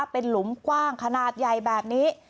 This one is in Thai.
เป็นหลุมกว้างขนาดใหญ่แบบนี้